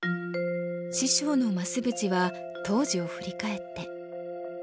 師匠の増淵は当時を振り返って。